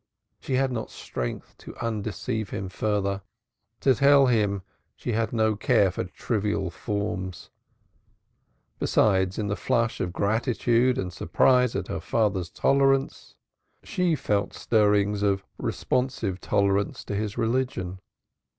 She had not strength to undeceive him further, to tell him she had no care for trivial forms. Besides, in the flush of gratitude and surprise at her father's tolerance, she felt stirrings of responsive tolerance to his religion.